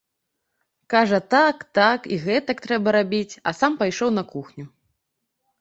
Кажа, так, так і гэтак трэба рабіць, а сам пайшоў на кухню.